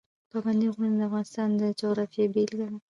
پابندی غرونه د افغانستان د جغرافیې بېلګه ده.